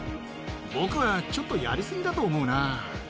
僕はちょっとやり過ぎだと思